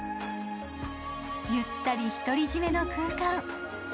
ゆったり独り占めの空間。